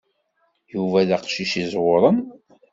Yuba d aqcic i iẓewṛen.